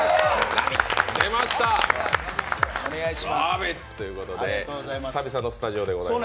ラヴィット！ということで、久々のスタジオでございます。